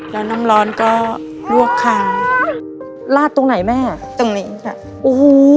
แล้วน้ำร้อนก็ลวกคาลาดตรงไหนแม่ตรงนี้ค่ะโอ้โห